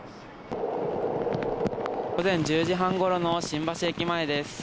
午前１０時半ごろの新橋駅前です。